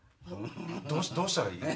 どうしたらいい？